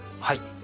はい。